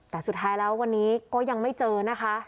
แต่สุดท้ายแล้ววันนี้ก็ยังไม่เจอนะคะ